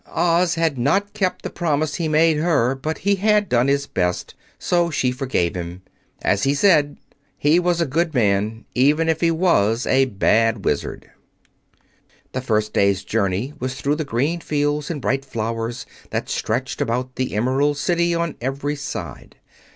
Oz had not kept the promise he made her, but he had done his best, so she forgave him. As he said, he was a good man, even if he was a bad Wizard. The first day's journey was through the green fields and bright flowers that stretched about the Emerald City on every side.